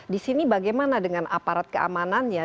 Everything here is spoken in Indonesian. di sini bagaimana dengan aparat keamanannya